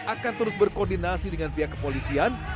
akan terus berkoordinasi dengan pihak kepolisian